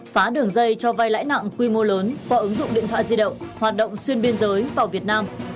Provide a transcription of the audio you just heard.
phá đường dây cho vai lãi nặng quy mô lớn qua ứng dụng điện thoại di động hoạt động xuyên biên giới vào việt nam